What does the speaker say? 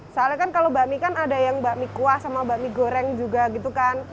soalnya kan kalau bakmi kan ada yang bakmi kuah sama bakmi goreng juga gitu kan